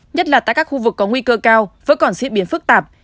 nhất là tại các khu vực có nguy cơ cao vẫn còn diễn biến phức tạp